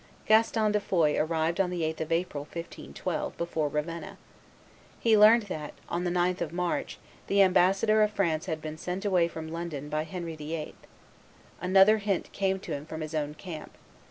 Gaston de Foix arrived on the 8th of April, 1512, before Ravenna. He there learned that, on the 9th of March, the ambassador of France had been sent away from London by Henry VIII. Another hint came to him from his own camp.